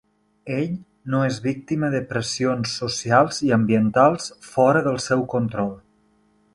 Ell no és víctima de pressions socials i ambientals fora del seu control.